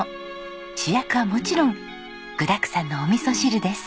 主役はもちろん具だくさんのおみそ汁です。